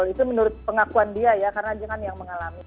itu menurut pengakuan dia ya karena jangan yang mengalami